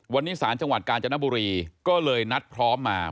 วันนี้ศาลจังหวัดกาญจนบุรีก็เลยนัดพร้อมมา